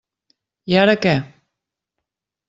I ara, què?